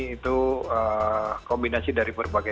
itu kombinasi dari perpustakaan